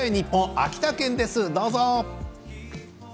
秋田県です、どうぞ。